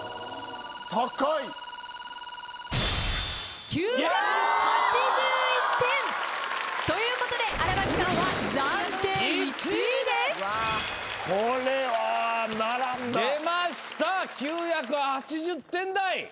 高い！ということで荒牧さんは暫定１位です！出ました９８０点台！